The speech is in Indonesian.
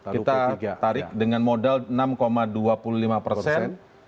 kita tarik dengan modal enam dua puluh lima persen